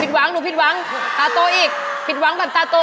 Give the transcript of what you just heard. หวังหนูผิดหวังตาโตอีกผิดหวังแบบตาโต